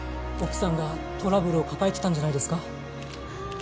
奥さんがトラブルを抱えてたんじゃないですか？